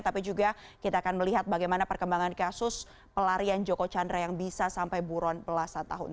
tapi juga kita akan melihat bagaimana perkembangan kasus pelarian joko chandra yang bisa sampai buron belasan tahun